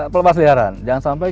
pelepasliaran jangan sampai